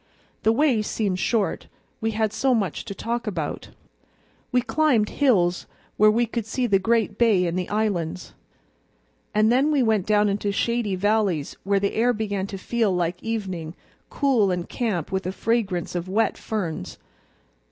The way seemed short, we had so much to talk about. We climbed hills where we could see the great bay and the islands, and then went down into shady valleys where the air began to feel like evening, cool and camp with a fragrance of wet ferns.